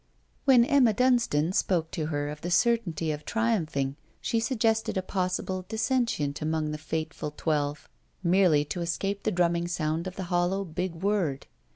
When Emma Dunstane spoke to her of the certainty of triumphing, she suggested a possible dissentient among the fateful Twelve, merely to escape the drumming sound of that hollow big word.